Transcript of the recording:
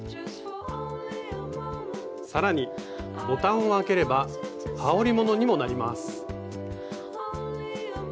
更にボタンを開ければはおりものにもなります。